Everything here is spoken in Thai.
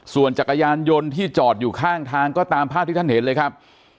ส่วนจักรยานยนต์ที่จอดอยู่ข้างทางก็ตามภาพที่ท่านเห็นเลยครับ